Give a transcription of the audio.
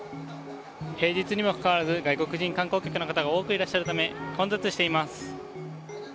平日にもかかわらず外国人観光客の方が多くいらっしゃるため混雑しています。